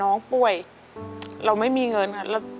น้องป่วยเราไม่มีเงินค่ะ